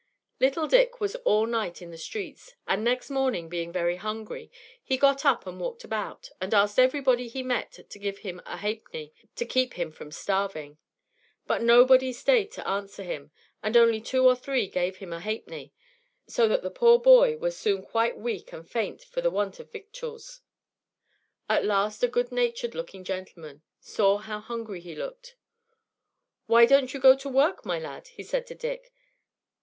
Little Dick was all night in the streets; and next morning, being very hungry, he got up and walked about, and asked everybody he met to give him a halfpenny to keep him from starving; but nobody stayed to answer him, and only two or three gave him a halfpenny; so that the poor boy was soon quite weak and faint for the want of victuals. At last a good natured looking gentleman saw how hungry he looked. "Why don't you go to work, my lad?" said he to Dick.